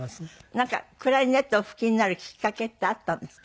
なんかクラリネットをお吹きになるきっかけってあったんですか？